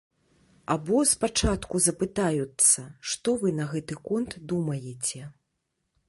Або спачатку запытаюцца, што вы на гэты конт думаеце.